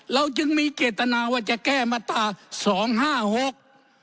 เราจึงมีเจตนาว่าจะแก้มาตราสองห้าหก